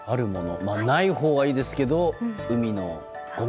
ないほうがいいですけど海のごみ。